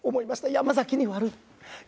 山崎に悪い。